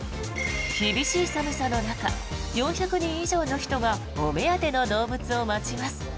厳しい寒さの中４００人以上の人がお目当ての動物を待ちます。